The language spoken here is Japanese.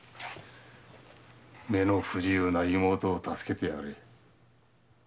目の不自由な妹を助けてやれ。